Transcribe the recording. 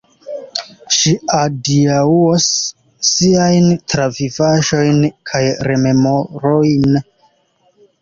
Ŝi adiaŭos siajn travivaĵojn kaj rememorojn.